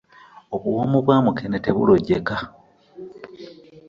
Obuwomu bwa mukene tebulojeka.